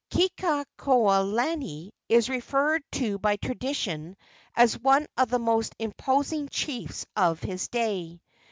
Kekuaokalani is referred to by tradition as one of the most imposing chiefs of his day.